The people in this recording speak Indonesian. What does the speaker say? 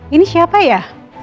ini siapa ya